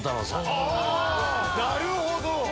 なるほど！